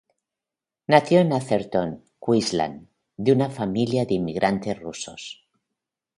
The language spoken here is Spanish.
Nació en Atherton, Queensland, de una familia de inmigrantes rusos.